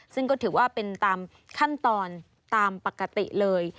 ซึ่งก็ถือว่าเป็นตามขั้นตอนตามปกติเลย